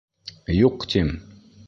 — Юҡ, — тим.